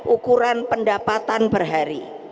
ukuran pendapatan per hari